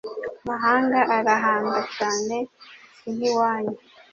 amahanga arahanda cyane sinkiwanyu .